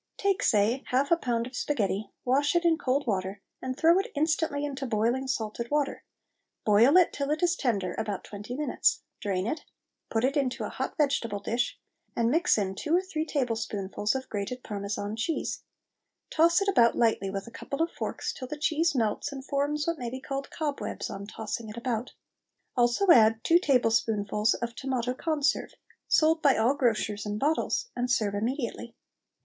Take, say, half a pound of sparghetti, wash it in cold water, and throw it instantly into boiling salted water; boil it till it is tender, about twenty minutes, drain it, put it into a hot vegetable dish, and mix in two or three tablespoonfuls of grated Parmesan cheese; toss it about lightly with a couple of forks, till the cheese melts and forms what may be called cobwebs on tossing it about. Add also two tablespoonfuls of tomato conserve (sold by all grocers, in bottles), and serve immediately.